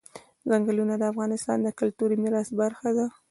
ځنګلونه د افغانستان د کلتوري میراث برخه ده.